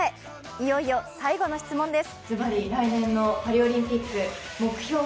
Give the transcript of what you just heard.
いよいよ最後の質問です。